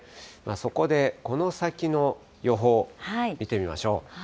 そこで、この先の予報、見てみましょう。